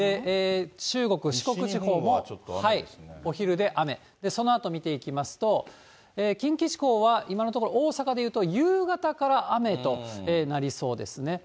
中国、四国地方も、お昼で雨、そのあと見ていきますと、近畿地方は今のところ、大阪でいうと、夕方から雨となりそうですね。